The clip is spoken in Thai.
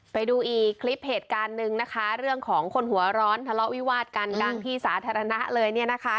ไปดูอีกคลิปเหตุการณ์หนึ่งนะคะเรื่องของคนหัวร้อนทะเลาะวิวาดกันกลางที่สาธารณะเลยเนี่ยนะคะ